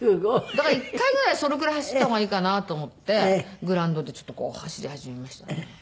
だから一回ぐらいそのぐらい走った方がいいかなと思ってグラウンドでちょっと走り始めましたね。